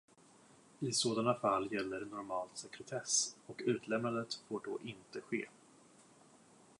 I sådana fall gäller normalt sekretess och utlämnandet får då inte ske.